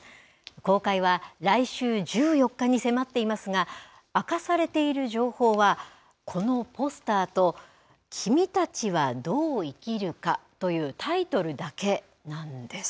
公開は来週１４日に迫っていますが明かされている情報はこのポスターと君たちはどう生きるかというタイトルだけなんです。